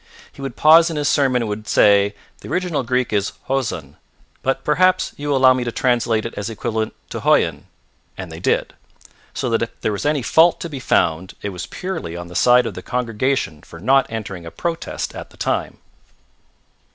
He would pause in his sermon and would say: "The original Greek is 'Hoson,' but perhaps you will allow me to translate it as equivalent to 'Hoyon.'" And they did. So that if there was any fault to be found it was purely on the side of the congregation for not entering a protest at the time.